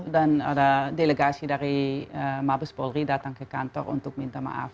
dan ada delegasi dari mabes polri datang ke kantor untuk minta maaf